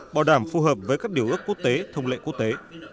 bảo đảm phù hợp với các điều ước quốc tế thông lệ quốc tế